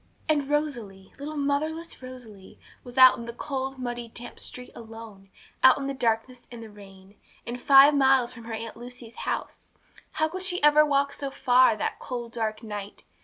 And Rosalie, little motherless Rosalie, was out in the cold, muddy, damp street alone, out in the darkness and the rain, and five miles from her Aunt Lucy's house! How could she ever walk so far, that cold, dark night?